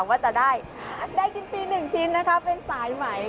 ว่าจะได้ได้กินฟรี๑ชิ้นนะคะเป็นสายไหม